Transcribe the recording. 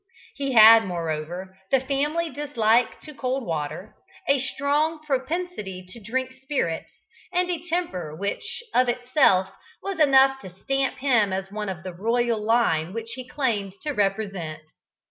He had, moreover, the family dislike to cold water, a strong propensity to drink spirits, and a temper which of itself was enough to stamp him as one of the royal line which he claimed to represent.